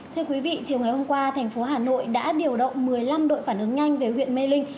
thưa quý vị chiều ngày hôm qua thành phố hà nội đã điều động một mươi năm đội phản ứng nhanh về huyện mê linh